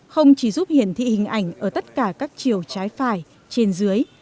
không chỉ giúp hiển thị hình ảnh ở tất cả các chiều trái phải trên dưới